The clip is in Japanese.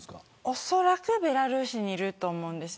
おそらくベラルーシにいると思います。